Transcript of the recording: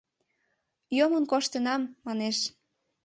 — Йомын коштынам, — манеш.